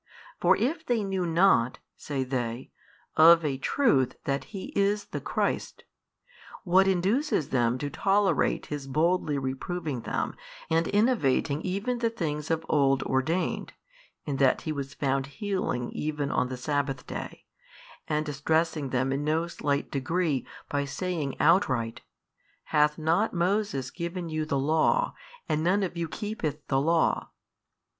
For if they knew not (say they) of a truth that He is the Christ, what induces them to tolerate His boldly reproving them and innovating even the things of old ordained, in that He was found healing even on the sabbath day, and distressing them in no slight degree by saying outright, Hath not Moses given you the Law, and none of you keepeth the Law?